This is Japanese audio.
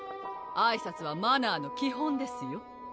あいさつはマナーの基本ですよ